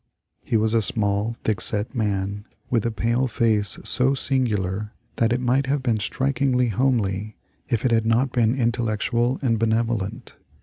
He was a small, thick set man, with a pale face so singular that it might have been strikingly homely if it had not been intellectual and benevolent.